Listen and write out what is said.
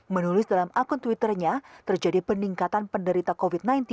menulis dalam akun twitternya terjadi peningkatan penderita covid sembilan belas